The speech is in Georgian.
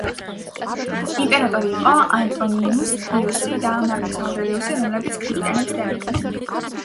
მისი პატრიარქობის პერიოდში ბიზანტიის იმპერატორი იყო ანტონინუს პიუსი და მარკუს ავრელიუსი, რომლებიც ქრისტიანებს დევნიდნენ.